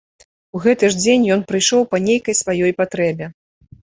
У гэты ж дзень ён прыйшоў па нейкай сваёй патрэбе.